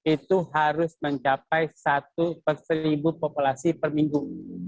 itu harus mencapai satu persen ribu populasi per minggu